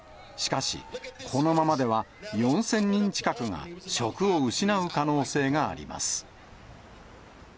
しかし、このままでは４０００人近くが職を失う可能性があります。